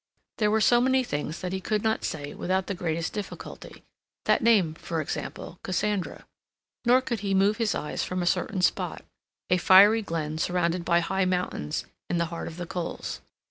There were so many things that he could not say without the greatest difficulty—that name, for example, Cassandra. Nor could he move his eyes from a certain spot, a fiery glen surrounded by high mountains, in the heart of the coals.